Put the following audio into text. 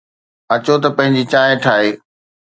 اچو ته پنهنجي چانهه ٺاهي.